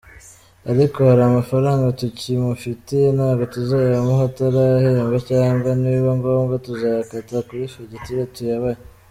Ariko hari amafaranga tukimufitiye ntabwo tuzayamuha atarabahemba cyangwa nibiba ngombwa tuzayakata kuri fagitire tuyabahe.